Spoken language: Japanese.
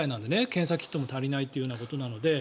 検査キットも足りないということなので。